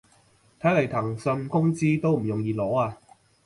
睇來騰訊工資都唔容易攞啊